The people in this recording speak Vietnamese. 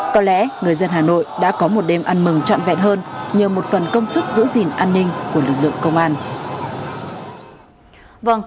có lẽ người dân hà nội đã có một đêm ăn mừng trọn vẹn hơn nhờ một phần công sức giữ gìn an ninh của lực lượng công an